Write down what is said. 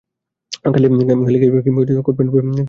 খালি গায়েই হোক কিংবা কোট-প্যান্ট পরাই হোক।